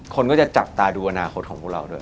คนก็จะจับตาดูอนาคตของพวกเราด้วย